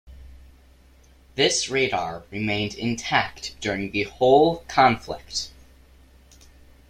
This radar remained intact during the whole conflict.